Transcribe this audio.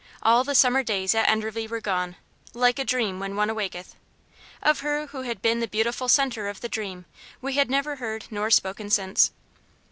All the summer days at Enderley were gone, "like a dream when one awaketh." Of her who had been the beautiful centre of the dream we had never heard nor spoken since.